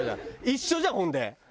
一緒じゃんほんで。